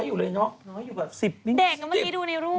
น้อยอยู่แบบ๑๐นิดนึง๑๐นิดนึงเด็กก็ไม่ได้ดูในรูปอ่ะ